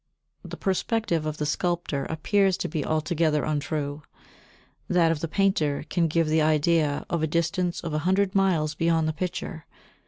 The perspective of the sculptor appears to be altogether untrue; that of the painter can give the idea of a distance of a hundred miles beyond the picture.